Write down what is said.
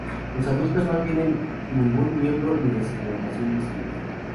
Los adultos no tienen ningún miembro ni segmentación visible.